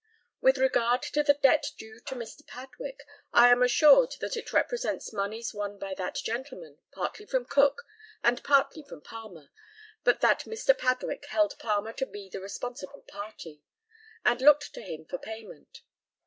With regard to the debt due to Mr. Padwick, I am assured that it represents moneys won by that gentleman, partly from Cook, and partly from Palmer, but that Mr. Padwick held Palmer to be the responsible party, and looked to him for payment.